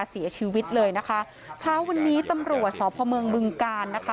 เสียชีวิตเลยนะคะเช้าวันนี้ตำรวจสพเมืองบึงกาลนะคะ